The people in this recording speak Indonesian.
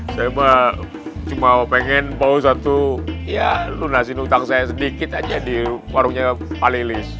saya mah cuma pengen bawa satu lunasin utang saya sedikit aja di warungnya palilis